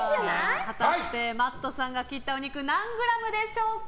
果たしてＭａｔｔさんが切ったお肉何グラムでしょうか。